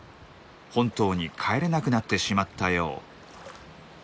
本島に帰れなくなってしまったよう。